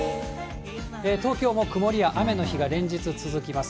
東京も曇りや雨の日が連日続きます。